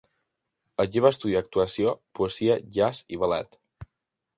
Allí va estudiar actuació, poesia, jazz i ballet.